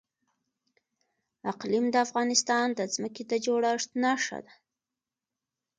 اقلیم د افغانستان د ځمکې د جوړښت نښه ده.